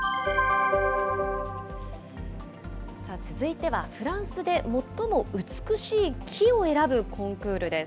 続いては、フランスで最も美しい木を選ぶコンクールです。